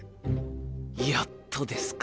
やっとですか。